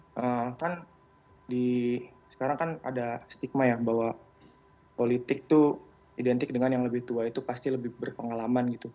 karena kan sekarang kan ada stigma ya bahwa politik tuh identik dengan yang lebih tua itu pasti lebih berpengalaman gitu